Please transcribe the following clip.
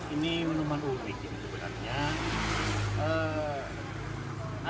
ini minuman unik ini sebenarnya